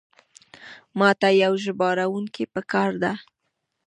ماته یو ژباړونکی پکار ده.